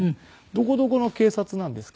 「どこどこの警察なんですか？